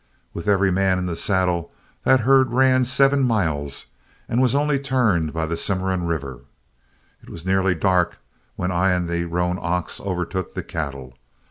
With every man in the saddle, that herd ran seven miles and was only turned by the Cimarron River. It was nearly dark when I and the roan ox overtook the cattle.